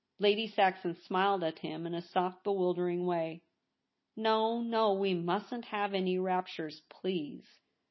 Lady Saxon smiled at him in a soft, bewildering way. * No, no, we mustn't have any raptures, please.